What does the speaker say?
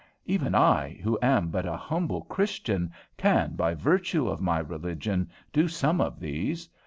Even I, who am but a humble Christian, can, by virtue of my religion, do some of these.